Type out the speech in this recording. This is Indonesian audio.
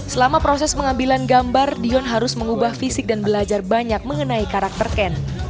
selama proses pengambilan gambar dion harus mengubah fisik dan belajar banyak mengenai karakter ken